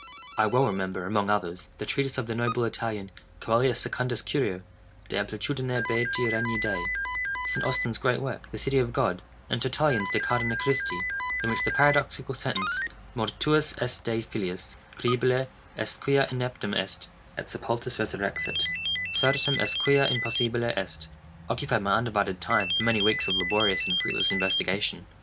I well remember, among others, the treatise of the noble Italian, Coelius Secundus Curio, "De Amplitudine Beati Regni Dei;" St. Austin's great work, the "City of God;" and Tertullian's "De Carne Christi," in which the paradoxical sentence "Mortuus est Dei filius; credible est quia ineptum est: et sepultus resurrexit; certum est quia impossibile est," occupied my undivided time, for many weeks of laborious and fruitless investigation.